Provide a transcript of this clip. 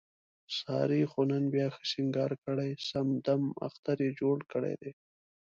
سارې خو نن بیا ښه سینګار کړی، سم دمم اختر یې جوړ کړی دی.